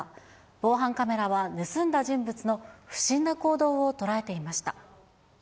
防犯カメラは盗んだ人物の不審な行動を捉えていました。